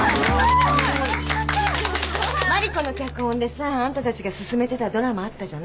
万理子の脚本でさあんたたちが進めてたドラマあったじゃない？